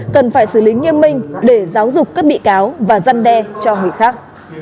cần phải xử lý nghiêm minh để giáo dục các bị cáo và răn đe cho người khác